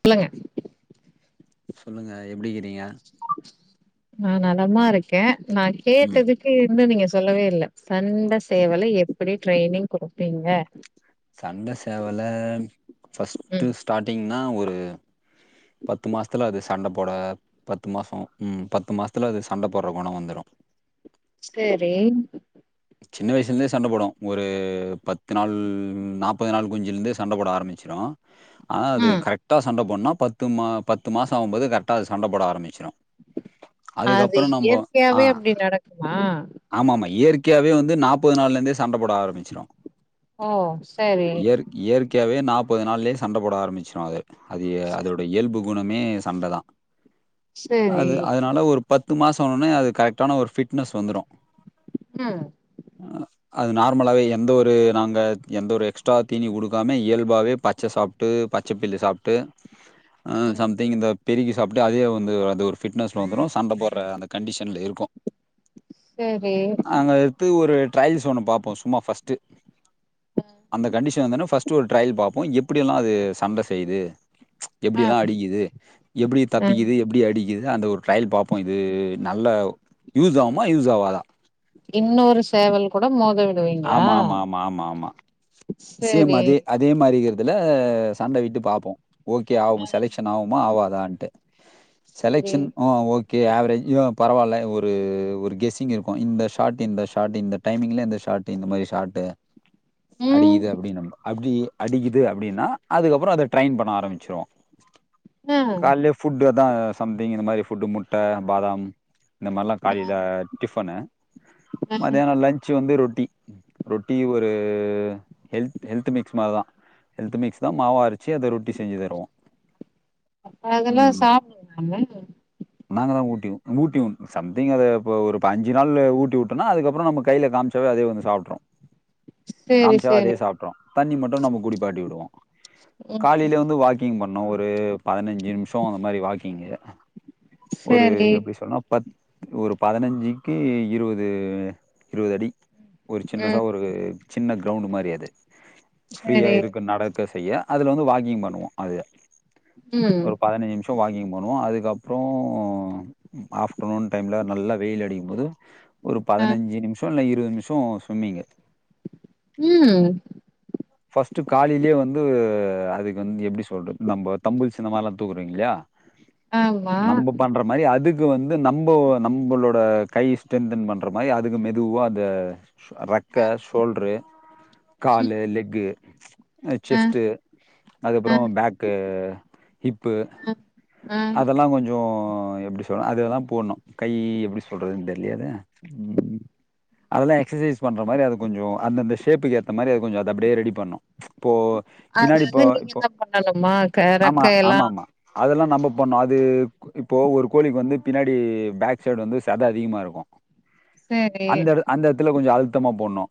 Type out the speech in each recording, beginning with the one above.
சொல்லுங்க சொல்லுங்க எப்டிக்கிறீங்க நா நலமா இருக்க நா ம் கேட்டதுக்கு இன்னு நீங்க சொல்லவே இல்ல சண்ட சேவல எப்டி ட்ரயினிங் குடுப்பீங்க சண்ட சேவல ஃபஸ்ட்டு ம் ஸ்டாட்டிங்னா ஒரு பத்து மாசத்துல அது சண்ட போட பத்து மாசோ ம் பத்து மாசத்துல அது சண்ட போட்ற கொண வந்துரு சேரி சின்ன வயசுலேந்தே சண்ட போடு ஒரு பத்து நாள் நாப்பது நாள் குஞ்சிலேருந்தே சண்ட போட ஆரம்பிச்சிடு ஆனா அது ம் கரெக்டா சண்ட போட்ணுனா பத்து மா பத்து மாசோ ஆகும் போது கரெக்டா அது சண்ட போட ஆரம்பிச்சிரு அது அதுக்கப்புறோ நம்போ ஆ இயற்கையாவே அப்டி நடக்குமா ஆமாமா இயற் கையா வந்து நாப்பது நாள்ல இருந்தே சண்ட போட ஆரம்பிச்சிரு ஓ சரி இயற் இயற்கையாவே நாப்பது நாள்லயே சண்ட போட ஆரம்பிச்சிரு அது அது சரி அதோட இயல்பு குணமே சண்டதா சரி. அது அதனால ஒரு பத்து மாசோ ஆனோன்னே அது கரெக்டான ஒரு ஃபிட்னஸ் வந்துரு ம் அது நார்மலாவே எந்த ஒரு நாங்க எந்த ஒரு எக்ஸ்ட்ரா தீனி குடுக்காம இயல்பாவே பச்ச சாப்ட்டு பச்சப்பில்லு சாப்ட்டு ஆ ம் சம்திங் இந்த பெருகி அது அப்டே அதே வந்து அது ஒரு ஃபிட்னஸ் வந்துரு சண்ட போட்ற அந்த கண்டிஷன்ல இருக்கு சேர் நாங்க எடுத்து ஒரு ட்ரயல்ஸ் ஒன்னு பாப்போ சும்மா ஃபஸ்ட்டு அந்த கண்டீஷன் வந்தோன்னே ஃபஸ்ட்டு ஒரு ட்ரயல் பாப்போ எப்டியெல்லா அது சண்ட செய்து ஆ எப்டிலா அடிக்குது எப்டி ஆ தப்பிக்குது எப்டி அடிக்குதுன்னு அந்த ஒரு ட்ரயல் பாப்போ இது நல்ல யூஸ் ஆவுமா யூஸ் ஆவாதா இன்னொரு சேவல் கூட மோத விடுவீங்களா விஷ்யம் சரி அதே அதே மாரி இருக்கறதுல சண்ட விட்டு பாப்போ ஓகே ஆ ஆவு செலெக்ஷன் ஆவுமா ஆவாதான்ட்டு சரி செலக்ஷன் ஆ ஓகே ஆவ்ரேஜ் ஆ பரவாயில்ல ஒரு ஒரு கெஸ்ஸிங் இருக்கு இந்த ஷார்ட் இந்த ஷார்ட் இந்த டைமிங்ல இந்த ஷா்ட் இந்த மாரி ஷார்ட்டு ம் அப்டி அடிக்குது அப்டின்னா அதுக்கப்புற அத ட்ரைன் பண்ண ஆரம்பிச்சிருவோ ஆ கால்லியே ஃபுட்டு் அதா சம்திங் இந்த மாரி ஃபுட்டு முட்ட பாதாம் இந்த மாரில்லா ஆ காலில டிஃபனு ஆ மத்தியான லன்ச் வந்து ரொட் டி ரொட்டியு ஒரு ஹெல்த் ஹெல்த் மிக்ஸ் மாரிதா ஹெல்த்து மிக்ஸ்தா மாவா அரச்சி அத ரொட்டி செஞ்சி தருவோ அப்ப அதெல்லா ம் சாப்ட நாம ஊட்டி ஊட்டிங் சம்திங் அது போ ஒரு அஞ்சு நாளு ஊட்டி விட்டேன்னா அதுக்கப்றோ நம்ம கையில காமிச்சாவே அதுவே வந்து சாப் ட்ரு சேரி அதே சாப்ட்ரு தண்ணி மட்டு நம்ம குடிப்பாட்டி உடுவோ ம் காலையில வந்து வாக்கிங் பண் என்ன ஒரு பதினஞ்சு நிமிஷ அந்த மாரி வாக்கிங்கு ஒரு சரி எப்டி சொல்ணுனா பத் ஒரு பதினஞ்சுக்கி இருவது இருவது அடி ஒரு சின்னசா ம் ஒரு சின்ன கிரௌண்ட் மாரி அது ஃப்ரீயா சரி இருக்கு நடக்க செய்ய அதுல வந்து வாக்கிங் பண்ணுவோ அதுதா ம் ஒரு பதினஞ்சு நிமிஷ வாக்கிங் பண்ணுவோ அதுக்கப்புறோ ஆஃப்டர்நூன் டைம்ல நல்லா வெயில் அடிக்கும்போது ஒரு அ பதினஞ்சு நிமிஷ இல்ல இருவது நிமிஷ ஸ்விமிங்கு ம் ஃபஸ்ட்டு காலிலயே வந் வந்து அதுக்கு வந்து எப்படி சொல்றது நம்ம தம்புல்சு இந்த மாதிர எல்லாம் தூக்குறீங்க இல்லையா ஆமா நம்ம பண்ற மாதிரி அதுக்கு வந்து நம்ம நம்மளோட கை ஸ்ட்ரெ்தன் பண்ற மாதிரி அதுக்கு மெதுவா அதை ரக்க ம் ஷோல்டரு கால லெகு ம் செஸ்ட்ட் ம் அதுப்புறம் பேக்கு ஹிப்பு அதெல்லாம் கொஞ்சம் பஎப்படி சொல்றும் அதுல்லான் போடணும் கை எப்படி சொல்றதுன்னு தெரியாது உம் அதெல்லாம் எக்சசைஸ் பண்ற மாதிரி அது கொஞ்சம் அந்த ஷேப்புக்கு ஏற்ற மாதிரி அது கொஞ்ச அத அப்படியே ரெடி பண்ணும் இப்போ அது பின்னாடி வந்து இப்போ நீங்க இப்போ தா பண்ணணுமா க ஆமா ரெக்க எல்லா ஆமா ஆமா அதெல்லாம் நம்ம பண்ணோம் அது இப்போ ஒரு கோழிக்கு வந்து பின்னாடி பேக் சைடு வந்து சதை அதிகமா இருக்கும் சரி அந்த இட அந்த இடத்துல கொஞ்சம் அழுத்தமா போடணும்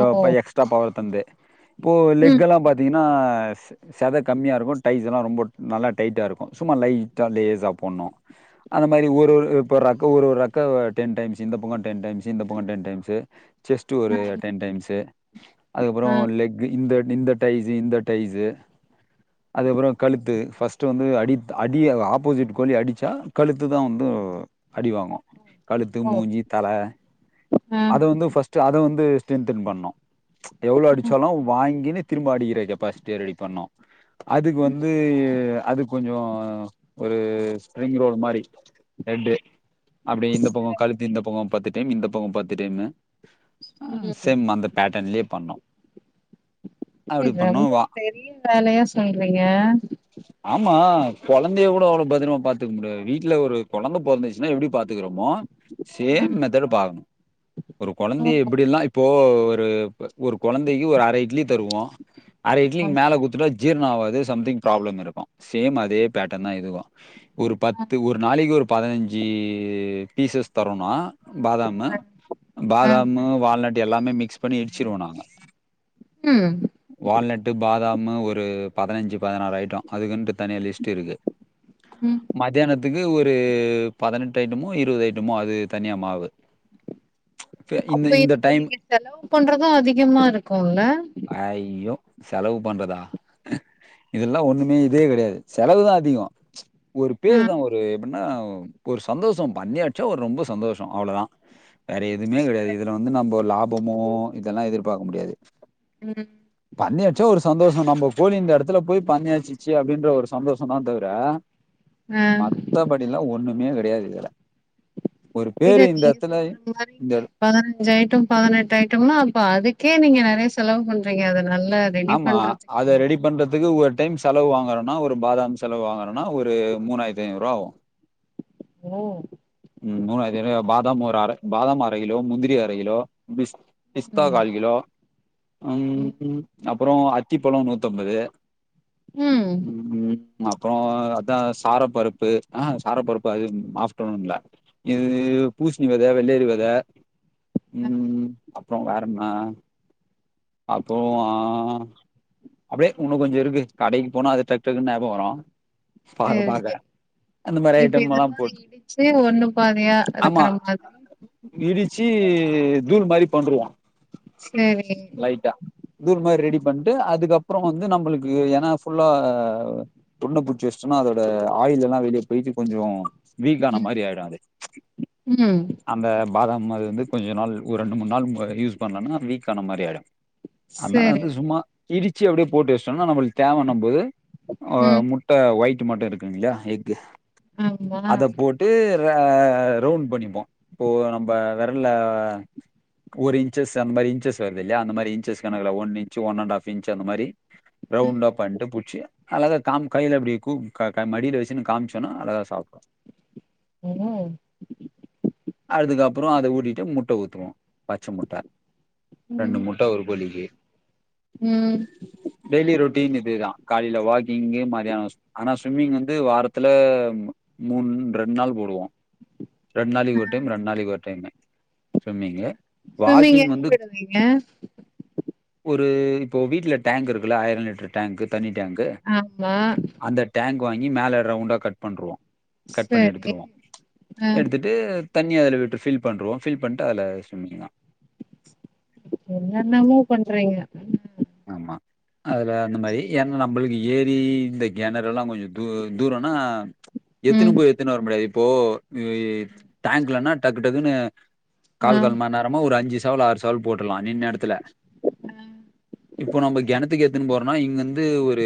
ஓ ப எக்ஸ்ட்ரா பவர் தந்து இப்போ ம் லெக்கெல்லாம் பார்த்தீங்கன்னா செதை கம்மியா இருக்கும் டைஸ் எல்லாம் ரொம்ப நல்லா டைட்டா இருக்கும் சும்மா லைட்டா லேஸா போடும் அந்த மாதிரி ஒரு ஒரு இப்ப ரக்க ஒரு ஒரு ரக்க டென் டைம்ஸ் இந்த பங்கம் டென் டைம்ஸ் இந்த பங்கம் டென் டைம்ஸ்சு செஸ்ட்ட் ஒரு டென் டைம்ஸ்சு அதுக்கப்புறம் ம் லெக் இந்த டைஸ் இந்த டைஸ்சு அதுப்புறம் கழுத்து பஸ்ட் வந்து அடித்து அடி ஆப்போசிட் கோழி அடிச்சா கழுத்து தான் வந்து அடிவாங்கும் கழுத்து ஓ மூஞ்சி தலை ம் அத வந்து ஃபர்ஸ்ட் அத வந்து ஸ்ட்ரென்தன் பண்ணோம் எவ்வளோ அடிச்சாலும் வாங்கின்கினனு திரும்ப அடிக்கிற கெப்பாசிட்டிய ரெடி பண்ணோம் அதுக்கு வந்து அது கொஞ்சம் ஒரு ஸ்ப்ரிங் ரோல் மாதிரி ரெட்டு அப்படியே இந்த சரி பங்கம் கழுத்து இந்த பங்கம் பத்து டைம் இந்த பங்கம் பத்து டைமு உம் சேம் அந்த பேட்டர்ன்லயே பண்ணோம் இ வா ரொம்ப பெரிய வேலையா சொல்றீங்க ஆமா குழந்தைய கூட அவ்வளவு பத்திரமா பாத்துக்க முடியாது வீட்டுல ஒரு குழந்தை போந்துச்சுன்னா எப்படி பாத்துக்கறோமோ செம் ம் மேதோட் பாகணும் ஒரு ஓ குழந்தை எப்படிெல்லாம் இப்போ ஒரு ஒரு குழந்தைக்கு ஒரு அரை இட்லி தருவோம் அரை இட்லிங்க ஆமா மேலே குத்துட்டா ஜீரணம் ஆவாது சம்திங் ப்ராப்ளம் இருக்கும் சேம் அதே பேட்டர்ன் தான் இதுக்கும் ஒரு அ பத்து ஒரு நாளைக்கு ஒரு பதினஞ்சு பீஸஸ் தரோனா பாதாம்மு அ அ பாதாம் வால்நட் எல்லாமே மிக்ஸ் பண்ணி இடிச்சிருவோனாங்க ம் வால்நெட் பாதாம் ஒரு பதினஞ்சு பதினாறு ஐட்டம் அதுக்கு தனிய லிஸ்ட் இருக்கு ம் மதியானது த்துக்கு ஒரு பதினெட்டு ஐட்டமோ இருபது ஐட்டமோ அது தனியா மாவு இந்த அப்ப இந்த இதுக்கு டைம் நீங்க செலவு பண்றதும் அதிகமா இருக்கும்ல்ல ஐயோ செலவு பண்றதா இதெல்லாம் ஒண்ணுமே இதே கிடையாது செலவுதான் அதிகம் ஒரு ஆ பேரு தான் ஒரு எப்படின்னா ஒரு சந்தோஷம் பண்ணியாச்சா ஒரு ரொம்ப சந்தோஷம் அவ்வளவுதான் வேற எதுவுமே கிடையாது சரி இதுல வந்து நம்ம லாபமோ இதெல்லாம் எதிர்பார்க்க முடியாது உம் அந்தாச்சா ஒரு சந்தோஷம் நம்ம கோலி இந்த இடத்துல போய் பண்ணியாச்சிச்சு அப்படின்ற ஒரு சந்தோஷம் தான் தவிர ஆ மத்தபடி எல்லாம் ஒண்ணுமே கிடையாது இல்ல இல்ல நீங்க சொல்ற மாதிரி இந்த பதினஞ்சாயட்டும் பதினெட்டாய அ அதுக்கே நீங்க நிறைய செலவு பண்றீங்க அது ஆமா அதை ரெடி பண்றதுக்கு ஒரு டைம் செலவு வாங்குறோம்னா ஒரு பாதாம் செலவு வாங்குறேனா ஒரு மூணாயிரத்தி ஐநூறு ரூபா ஆகும் உஹம் உம் மூணாவ பாதாம் ஒரு அரை பாதாம் அரை கிலோ முந்திரி அரை கிலோ ப பிஸ்த ம் கால் கிலோ ம் அப்றோ அத்திப் பழோ நூத்தம்பது ம் அப்றோ அதா சாரப்பருப்பு ஆ சாரப்பருப்பு அது ஆஃப்டர் நூன்ல இது பூஸ்ணி வெத வெள்ளேரி வெத ஆ ம் அப்றோ வேறென்ன அப்றோ ஆ அப்டே இன்னு கொஞ்சோ இருக்கு கடைக்கு போனா அது டக் டக்குன்னு ஞாபகோ வரு பாக்க சேரி பாக்க சேரி அந்த மாரி இப்ப ஐட்டம்லாம் இதெல்லா போட்டு இடிச்சு ஒன்னு பாதியா ஆமா ருக்குற மாரி இடிச்சு தூள் மாரி பண்ருவோ சேரி லைட்டா கூழ் மாரி ரெடி பண்ட்டு அதுக்கப்றோ வந்து நம்பளுக்கு ஏனா ஃபுல்லா [unintelligible] புடிச்சு வச்ட்டோனா அதோட [unintelligible] எல்லா வெளிய போய்ட்டு கொஞ்சோ வீக்கான ம் மாரி ஆயிடு அது ம் அந்த பாதாம் அது வந்து கொஞ்ச நாள் ஒரு ரெண்டு மூண் நாள் அ யூஸ் பண்லன்னா வீக்கான மாரி ஆயிடு அதனால சேரி வந்து சும்மா இடிச்சு அப்டே போட்டு வச்டோன்னா நம்மளுக்கு தேவ இன்னும் போது அ ம் முட்ட ஒயிட் மட்டு இருக்குங் இல்லயா எக்கு ஆமா அத போட்டு ஆ ரவுண்ட் பண்ணிப்போ இப்போ நம்ப விரல்ல ஒரு இன்ச்சஸ் அந் மாரி இன்ச்சஸ் ட்டு வருதுல்லயா அந்த மாரி இன்ச்சஸ் கணக்குல one inch one and half inch அந்த மாரி ம். ரவுண்ட்டா பண்ட்டு புச்சி அழகா காம் கைல இப்டி கூ க க மடில வச்சுக்குனு காம்ச்சோனா அழகா சாப்டு [unintelligible] அப்றோ அத ஊட்டிட்டு முட்ட ஊத்துவோ பச்ச முட்ட ரெண்டு ம் முட்ட ஒரு கோழிக்கு ம் டின் இதேதா காலைல வாக்கிங்கு மதியானோ சு ஆனா ஸ்ம்மிங் வந்து வாரத்துல மூண் ம் ரெண் நாள் போடுவோ ரெண் நாளைக்கு ஒரு டைம் ரெண் நாளைக்கு ஒரு டைமு ஸ்விம்மிங்கு ஸ்விம்மிங் வாக்கிங் எங்க வந்து விடுவிங்க ஒரு இப்போ வீட்ல டேங்க் இருக்குல்ல ஆயிர லிட்ரு டேங்கு தண்ணி டேங்கு ஆமா அந்த டேங்க் வாங்கி மேல ரவுண்டா கட் பண்ருவோ கட் பண்ணி சரி எடுத்துருவோ ஆ எடுத்துட்டு தண்ணி அதுல விட்டு ஃபில் பண்ருவோம் ஃபில் பண்ட்டு அதுல ஸ்விம்மிங் தா என்னன்னவோ பண்றீங்க ஆமா அதுல அந்த மாரி ஏனா நம்ளுக்கு ஏரி இந்த கெணறுலா கொஞ்சோ தூ தூரன்னா எத்துன்னு ம் போய் எத்துன்னு வர முடியாது இப்போ இ டேங்க் லன்னா டக்கு டக்குன்னு ஆ கால் கால் மண் நேரமா ஒரு அஞ்சு சேவல் ஆறு சேவல் போட்ருலா நின்ன எடத்துல ம் இப்போ நம்போ கெணத்துக்கு எத்துன் போறன்னா இங்கருந்து ஒரு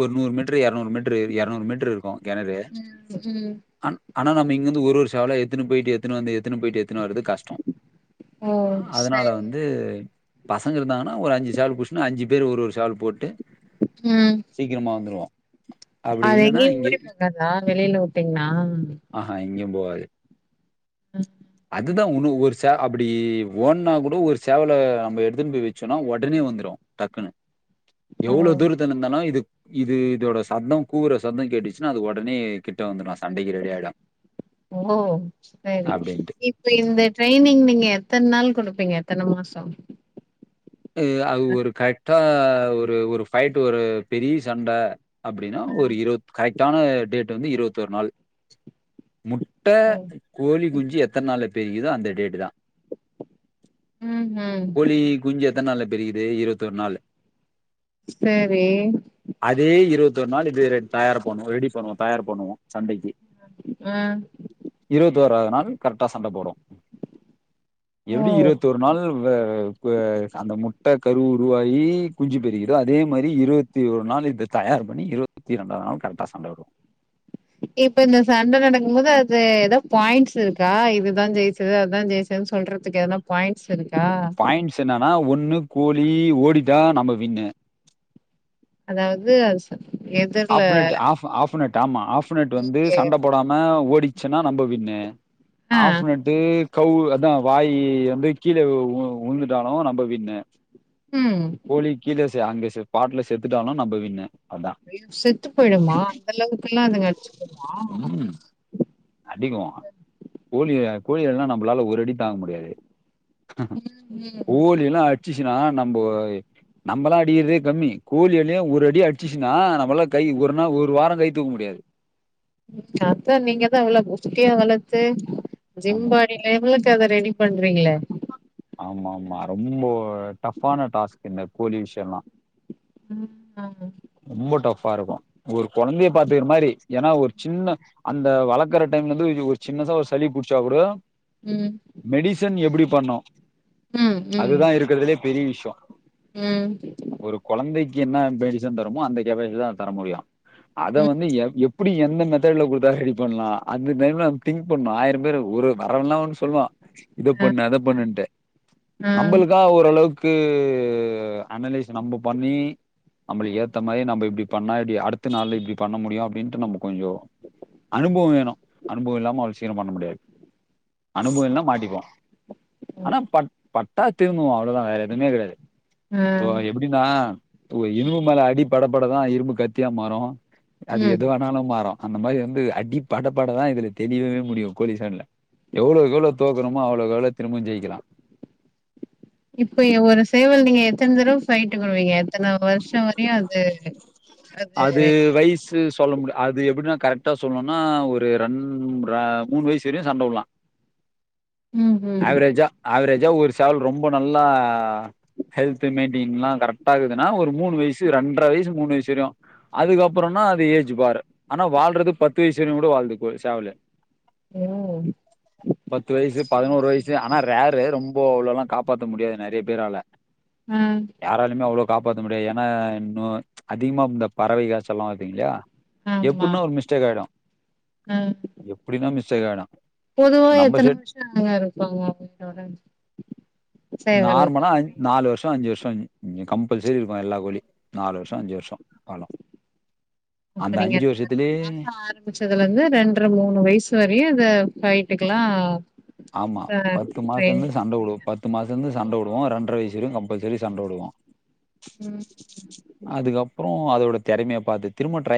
ஒரு நூர் மீட்ரு இரநூர் மீட்ரு இரநூறு மீட்ரு இக்கு கெணறு ம் ஆன் ஆனா நம்ம இங்கந்து ஒரு ஒரு சேவலா எத்துன்னு போயிட்டு எத்துன்னு வந்து எத்துன்னு போயிட்டு எத் எத்துன்னு வரது கஷ்டோ ஓ அதனால சரி வந்து பசங்க இருந்தாங்கன்னா ஒரு அஞ்சு சேவல் புச்சின்னு அஞ்சு பேர் ஒரு ஒரு சேவல் போட்டு ம் சீக்ரமா வந்துருவோ அது எங்கியு ஓடி போகாதா வெளில உட்டிங்னா ஆஹா எங்கேயும் உஹம் அதுதா உனு ஒரு சே அப்டி ஓன்னா கூட ஒரு சேவல நம்ம எடுத்துன் போய் வச்சோன்னா உடனே வந்துரு டக்குன்னு ஓ எவ்ளோ தூரத்துல இந்தாலு இது இது இதோட சத்தோ கூவுற சத்தோ கேட்டுச்சுன்னா அது ஒடனே கிட்ட வந்துரு சண்டைக்கு ரெடி ஆயிடு ஓ சரி இப்ப ம். இந்த ட்ரைனிங் நீங்க எத்தன் நாள் குடு பிங்க எத்தன மாசோ அது அது ஒரு கரெக்டா ஒரு ஒரு ஃபைட் ஒரு பெரிய சண்ட அப்டின்னா ஒரு இருவத் கரெட்டான டேட்டு வந்து இருவத்தொர் நாள் மு ட்ட கோழி குஞ்சு எத்தன் நாள்ல பெரிக்குதோ அந்த டேட்டு தா ம் ஹூம் கோழி குஞ்சு எத்தன் நாள்ல பெரிக்குது இருவத்தொர் நாள் செரி து ஒர் மாரி இது தயார் பண்ணுவோ ரெடி பண்ணுவோ தயார் பண்ணுவோ சண்டைக்கு ஆ இருபத்தோராது நாள் கரெக்டா சண்ட போடும் ஓ எப்டி இருபத்தொரு நாள் வவ வ அந்த முட்ட கரு உருவாகி குஞ்சி பெரிக்கிதோ அதே மாதிரி இருபத்தி ஒரு நாள் இது தயார் பண்ணி இருபத்தி இரண்டாவது நாள் கரெக்டா சண்ட விடுவோ இப்ப இந்த சண்ட நடக்கும் போது அது ஏதாவது பாயிண்ட்ஸ் இருக்கா இதுதான் ஜெயிச்சது அததான் ஜெயச்சது சொல்றதுக்கு ஏதுன்னா பாயிண் ப பாயிண்ட்ஸ் என்னன்னா ஒண்ணு கோழி ஓடிட்டா நம்ம வின்னு அதாவது அது சொல் ஆப்பொனெட் ஆஃப் ஆஃப்னெட் ஆமா ஆஃப்னெட் வந்து ஓகே சண்ட போடாம ஓடி ச்சனா நம்ப வின்னு ஆ ஆஃப்னெட்டு கவ்வு அதான் வாய் வந்து கீழே உழுந்துட்டாலும் நம்ப வின்னு ம் கோழி கீழே செ அங்க செ பாட்ல செத்துட்டாலும் நம்ம வின்னு அதா அய்யோ செத்து போயிடுமா அந்த அளவுக்குெ எல்லா அதுங்க அடிச்சுக்குமா அதிகம் கோழி கோழிகள்னா நம்மளால ஒரு அடி தாங்க முடியாது ம் ம் கோழி எல்லா அடிச்சிச்சுன்னா நம்ப நம்மல்லா அடிக்கிறதே கம்மி கோழிளயையு ஒரு அடி அடிச்சுச்சுன்னா நம்மல்லா கை ஒரு நாள் ஒரு வாரம் கை தூக்க முடியாது சத்தான் நீங்கதா இவ்ளோ குஷ்தியா வளத்து ஆமா ஜிம்பாடிலேபுல க அத ரெடி பண்றீங்ளே ஆமா ஆமா ரொம்பொ டஃபான டாஸ்க் இந்த கோழி விஷயம்லா ம் ஆ ரொம்ப டஃபா இருக்கும் ஒரு கொழந்தைய பாத்துக்கிற மாதிரி ஏன்னா ஒரு சின்ன அந்த வழக்கரட்ட அந்த டைம்ல வந்து யொ ஒரு சின்னதா ஒரு சளி புடிச்சா கூட ம் மெடிசன் எப்படி பண்ணோ ம் ம் அதுதான் இருக்கறதுலே பெரிய விஷ்யொ ம் என்ன மெடிசன் தருமோ அந்த கேப்பஜ் தா தர முடியும் அத ம் வந்து எ எப் எப்டி எந்த மெத்தட்ல கொடுத்தா ரெடி பண்லா அந்த டைம்லம் திங்க் பண்ணு ஆயிரம் பேர் ஒரு வரவன்லா ஒன்னு சொல்லுவான் இத ஆ பண்ணு அத பண்ணுன்ட்டு ஆ நம்மளுக்கா ஓரளவுக் கு அனலைஸ் நம்ப பண்ணி நம்ம ஏத்த மாரி நம்ம இப்படி பண்ணா இப்படி அடுத்த நாள்ல இப்டி பண்ண முடியும் அப்படின்ட்டு நம்ம கொஞ்சொ அனுபவொ வேணும் அனுபவொ இல்லாம அவ்ளோ சீக்ரொ பண்ண முடியாது அனுபவொ இல்லன்னா சேரி மாட்டிப்போ ஆனா பட் பட்டா திரன்னுவோ அவ்ளோவுதா வேற எதுவுமே கெடையாது ஆ இப்போ எப்டினா இரும்பு ம் மேல அடி படப்பட தா இரும்பு கத்தியாக மாறோ அது ம். எது வேணாலும் மாறொ அந்த மாரி வந்து அடிப் படப்பட தா இதுல தெரியவே முடியு கோழி சண்ட்ல எவ்ளோ எவ்ளோ தோக்கணுமோ அவ்ளோ எவ்ளோ திரும்பவு ஜெயிக்கலா இப்பய ஒரு சேவல் நீங்க எத்தன தடவ ஃபைட்டுக்கு வுடுவீங்க எத்தன வருஷொ வரையு அது அது வய்சு சொல்ல முடிய அது எப்டின்னா கரெக்டா சொல்லணும்னா ஒரு ரண் மூணு வயசு வரையும் சண்ட விடலா ம் ம் ஆவ்ரேஜா ஆவ்ரேஜா ஒரு சேவல் ரொம்ப நல்லா ஹெல்த் மெயின்டியின்லா கரெக்ட்டா இருக்குதுன்னா ஒரு மூணு வயசு ரெண்டர வயசு மூணு வயசு வரையு அதுக்கப்புறம்னா அது ஏஜ் பாரு ஆனா வாழ்றது பத்து வயசு வரையு கூட வாழ்ந்துக்கு ஒரு சேவலு ஓ பத்து வயசு பதினோரு வயசு ம் ஆனா ரேரு ரொம் பொ அவ்ளோல்லா காப்பாத்த முடியாது நிறைய பேரால யாராலுமே அவ்ளோ காப்பாத் த முடியாது ஏன்னா இன்னொ அதிகமா இந்த பறவை காய்ச்சல் எல்லா வருத்தீங்க இல்லயா ஆமா எப்டின்னா ஒரு மிஸ்டேக் ஆயிடும் ஆ எப்டினா மிஸ்டேக் ஆயிடும் பொதுவா எத்தன வருஷொ [unintelligible] இருக்குங்க உயிரோட நார்மலா ஐஞ் நாலு வருஷொ [unintelligible] கம்பல்சரி இருக்கு எல்லா கோலி நாலு வருஷோ அஞ்சு வருஷோ காலோ அப்ப நீங்க பத்து மாசோ ஆரம்பிச்சதுலிந்து ரெண்ட்ற மூணு வயசு வரையு இத [unintelligible] துக்கெல்லா [unintelligible] ஆமா பத்து மாஸ்ன்ந்து சண்ட வுடுவு குடுப்பீங்க பத்து மா ஸ்லந்து சண்ட வுடுவ ரெண்ட்ற வயசு வெரியு கம்பல்சரி சண்ட வுடுவோ ம் அதுக்கப் புறோ அதோட தெறமிய பாத்து திரும்ப ட்ரை